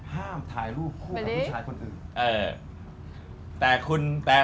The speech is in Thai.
ห้ามถ่ายรูปคู่กับผู้ชายคนอื่น